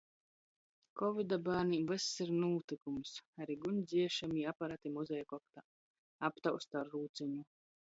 Kovida bārnim vyss ir nūtykums. Ari guņsdziešamī aparati muzeja koktā. Aptausta ar rūceņu.